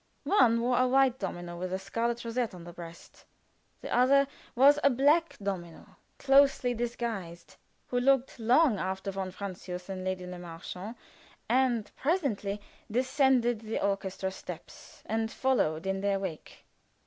One wore a white domino with a scarlet rosette on the breast. The other was a black domino, closely disguised, who looked long after von Francius and Lady Le Marchant, and presently descended the orchestra steps and followed in their wake.